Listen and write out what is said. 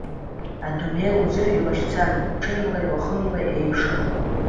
Адунеи лзы илашьцан, ҽынлеи уахылеи еиԥшын.